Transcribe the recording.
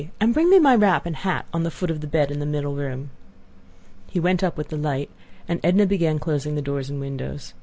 And bring me my wrap and hat on the foot of the bed in the middle room." He went up with the light, and Edna began closing doors and windows.